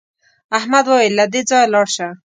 احمد وویل له دې ځایه لاړ شه.